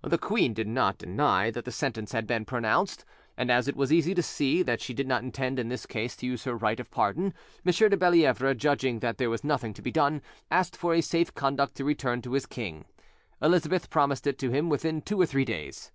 The queen did not deny that the sentence had been pronounced, and as it was easy to see that she did not intend in this case to use her right of pardon, M. de Bellievre, judging that there was nothing to be done, asked for a safe conduct to return to his king: Elizabeth promised it to him within two or three days.